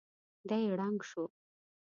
دی ړنګ شو.